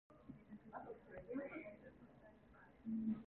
Бәләкәй Мук